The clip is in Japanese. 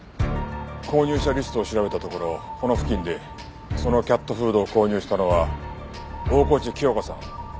購入者リストを調べたところこの付近でそのキャットフードを購入したのは大河内貴代子さん